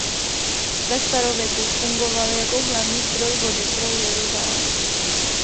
Ve starověku fungovaly jako hlavní zdroj vody pro Jeruzalém.